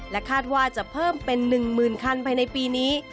คาดว่าจะเพิ่มเป็น๑๐๐๐คันภายในปีนี้